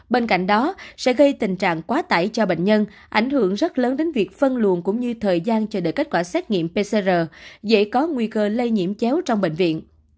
bên cạnh đó sẽ gây tình trạng quá tải cho bệnh nhân ảnh hưởng rất lớn đến việc phân luồn cũng như thời gian chờ đợi kết quả xét nghiệm pcr dễ có nguy cơ lây nhiễm chéo trong bệnh viện